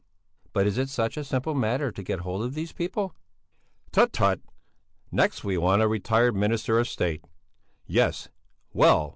"But is it such a simple matter to get hold of these people?" "Tut, tut! Next we want a retired minister of State! Yes! Well!